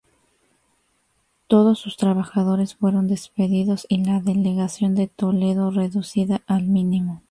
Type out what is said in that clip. Todos sus trabajadores fueron despedidos y la delegación de Toledo reducida al mínimo.